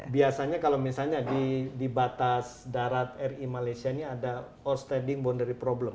biasanya kalau misalnya di batas darat ri malaysia ini ada outstanding boundary problem